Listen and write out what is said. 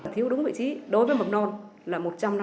thiếu đúng vị trí đối với mầm non là một trăm năm mươi